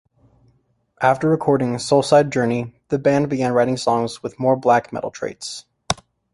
After recording "Soulside Journey", the band began writing songs with more black metal traits.